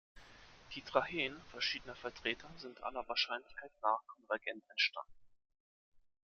Die Tracheen verschiedener Vertreter sind aller Wahrscheinlichkeit nach konvergent entstanden.